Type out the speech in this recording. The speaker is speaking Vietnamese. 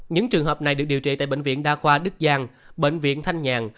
những trường hợp này được điều trị tại bệnh viện đa khoa đức giang bệnh viện thanh nhàn